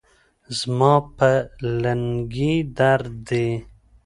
زما په لنګې درد دي